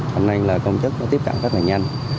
hôm nay là công chức tiếp cận